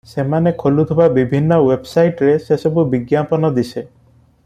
ସେମାନେ ଖୋଲୁଥିବା ବିଭିନ୍ନ ୱେବସାଇଟରେ ସେସବୁ ବିଜ୍ଞାପନ ଦିଶେ ।